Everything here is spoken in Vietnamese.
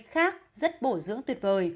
khác rất bổ dưỡng tuyệt vời